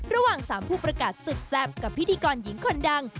ระหว่าง๓ผู้ประกาศสุดแซ่บกับพิธีกรหญิงคนดัง